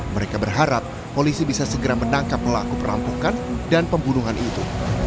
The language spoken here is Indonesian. mereka berharap polisi bisa segera menangkap pelaku perampokan dan pembunuhan itu